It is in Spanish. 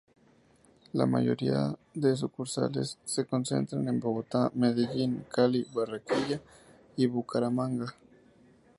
La mayoría de sucursales se concentran en Bogotá, Medellín, Cali, Barranquilla y Bucaramanga.